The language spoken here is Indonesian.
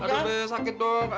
aduh be sakit dong